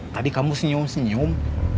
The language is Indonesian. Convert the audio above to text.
tadi kamu senyum senyum